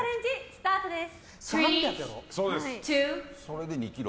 スタートです。